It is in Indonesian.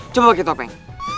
coba pake topeng